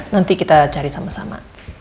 nanti kita cari sama sama